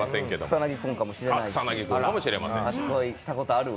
草薙君かもしれないし、初恋したことある？